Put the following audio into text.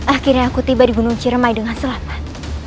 akhirnya aku tiba di gunung ciremai dengan selatan